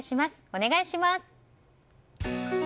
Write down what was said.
お願いします。